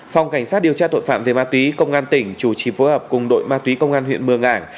phòng cảnh sát điều tra tội phạm về ma túy công an tỉnh chủ trì phối hợp cùng đội ma túy công an huyện mường ảng